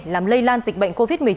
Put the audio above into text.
làm lây lan dịch bệnh covid một mươi chín